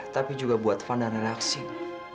tapi juga buat fun dan relaxing